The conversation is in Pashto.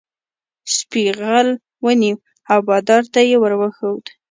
سپي غل ونیو او بادار ته یې ور وښود.